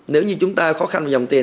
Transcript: nếu như chúng ta khó khăn về dòng tiền